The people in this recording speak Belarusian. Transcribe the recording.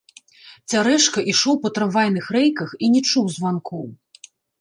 Цярэшка ішоў па трамвайных рэйках і не чуў званкоў.